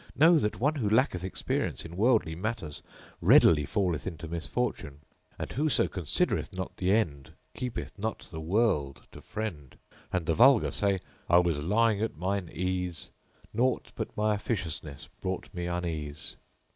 Know that one who lacketh experience in worldly matters readily falleth into misfortune; and whoso considereth not the end keepeth not the world to friend, and the vulgar say:—I was lying at mine ease: nought but my officiousness brought me unease."